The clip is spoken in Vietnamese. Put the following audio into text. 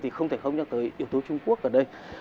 thì không thể không nhắc tới yếu tố trung quốc ở đây